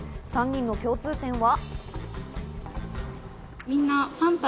３人の共通点は。